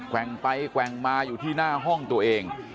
แว่งไปแกว่งมาอยู่ที่หน้าห้องตัวเอง